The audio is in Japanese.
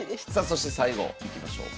そして最後いきましょう。